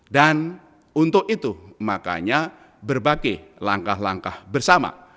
untuk itu makanya berbagai langkah langkah bersama